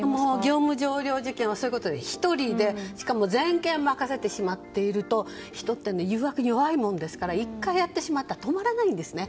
業務上横領事件は１人でしかも全権を任せてしまっていると人って誘惑に弱いものですから１回やってしまったら止まらないんですね。